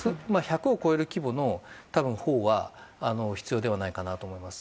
１００を超える規模の砲が必要ではないかなと思います。